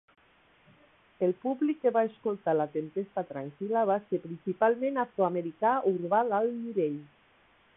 El públic que va escoltar la tempesta tranquil·la va ser principalment afroamericà "urbà d'alt nivell".